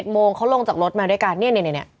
โมงเขาลงจากรถมาด้วยกันเนี่ย